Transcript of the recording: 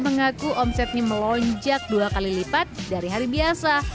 mengaku omsetnya melonjak dua kali lipat dari hari biasa